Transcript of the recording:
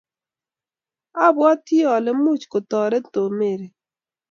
abwatii ale much kutoret Tom Mary.